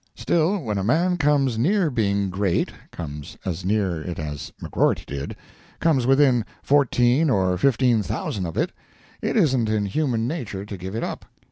Still, when a man comes near being great—comes as near it as McGrorty did—comes within fourteen or fifteen thousand of it—it isn't in human nature to give it up.